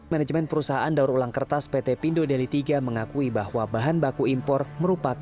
manajemen perusahaan daur ulang kertas pt pindodeli iii mengakui bahwa bahan baku impor merupakan sumber yang terbaik